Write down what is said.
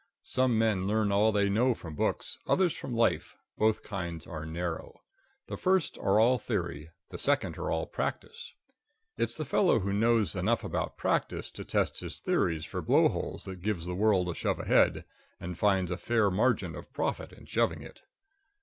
Some men learn all they know from books; others from life; both kinds are narrow. The first are all theory; the second are all practice. It's the fellow who knows enough about practice to test his theories for blow holes that gives the world a shove ahead, and finds a fair margin of profit in shoving it.